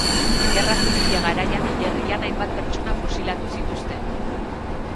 Gerra Zibila garaian hilerrian hainbat pertsona fusilatu zituzten.